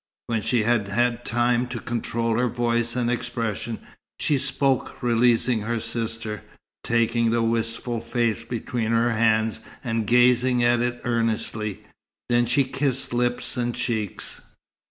When she had had time to control her voice and expression, she spoke, releasing her sister, taking the wistful face between her hands, and gazing at it earnestly. Then she kissed lips and cheeks.